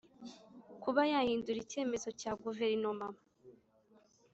kuba yahindura icyemezo cya guverinoma